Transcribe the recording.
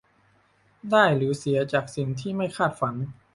ได้หรือเสียจากสิ่งที่ไม่คาดฝัน